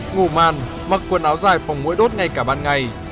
ngủ màn mặc quần áo dài phòng mũi đốt ngay cả ban ngày